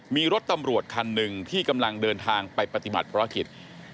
มีรถตำรวจคันหนึ่งที่กำลังเดินทางไปปฏิบัติภารกิจ